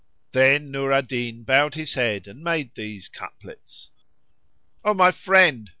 Then Nur al Din bowed his head, and made these couplets, "O my friend!